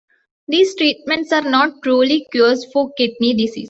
These treatments are not truly cures for kidney disease.